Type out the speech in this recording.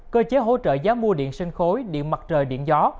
cơ chế hỗ trợ giá mua điện sinh khối điện mặt trời điện gió